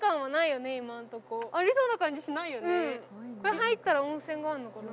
入ったら温泉があるのかな？